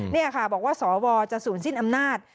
นี่ค่ะบอกว่าสวจะศูนย์สิ้นอำนาจ